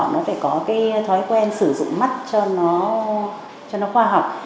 nó phải có cái thói quen sử dụng mắt cho nó khoa học